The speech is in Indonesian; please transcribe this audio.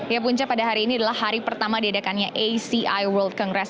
ya punca pada hari ini adalah hari pertama diadakannya aci world congress